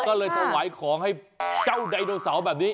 ก็เลยถวายของให้เจ้าไดโนเสาร์แบบนี้